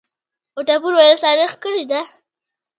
وټه پور ولسوالۍ ښکلې ده؟